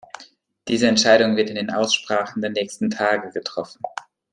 Diese Entscheidung wird in den Aussprachen der nächsten Tage getroffen.